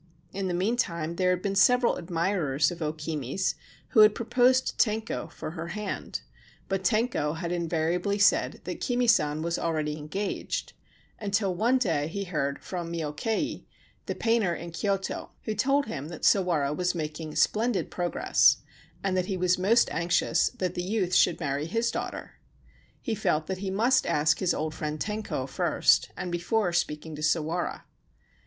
In the meantime there had been several admirers of O Kimi's who had proposed to Tenko 233 30 Ancient Tales and Folklore of Japan for her hand ; but Tenko had invariably said that Kimi San was already engaged — until one day he heard from Myokei, the painter in Kyoto, who told him that Sawara was making splendid progress, and that he was most anxious that the youth should marry his daughter. He felt that he must ask his old friend Tenko first, and before speaking to Sawara.